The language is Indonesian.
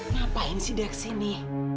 ngapain sih dia kesini